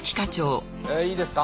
いいですか。